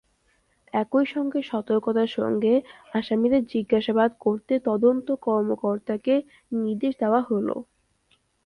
একই সঙ্গে সতর্কতার সঙ্গে আসামিদের জিজ্ঞাসাবাদ করতে তদন্ত কর্মকর্তাকে নির্দেশ দেওয়া হলো।